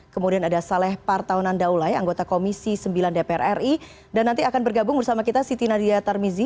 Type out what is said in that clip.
kemudian ada saleh partaunan daulay anggota komisi sembilan dpr ri dan nanti akan bergabung bersama kita siti nadia tarmizi